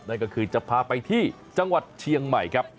นั่นก็คือจะพาไปที่จังหวัดเชียงใหม่ครับ